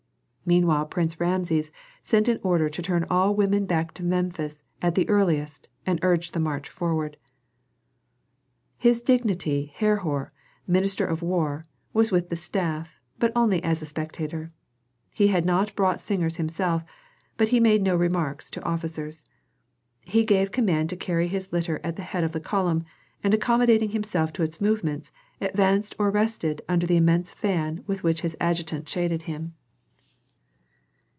Meanwhile Prince Rameses sent an order to turn all women back to Memphis at the earliest and urge the march forward. His dignity Herhor, minister of war, was with the staff, but only as a spectator. He had not brought singers himself, but he made no remarks to officers. He gave command to carry his litter at the head of the column, and accommodating himself to its movements, advanced or rested under the immense fan with which his adjutant shaded him.